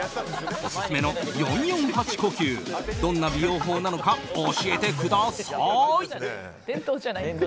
オススメの４４８呼吸どんな美容法なのか教えてください。